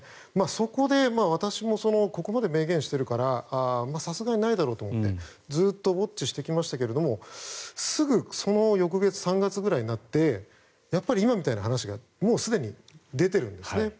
そこで私もここまで明言してるからさすがにないだろうと思ってずっとウォッチしてきましたがすぐその翌月３月ぐらいになってやっぱり今みたいな話がもうすでに出てるんですね。